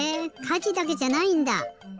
かじだけじゃないんだ！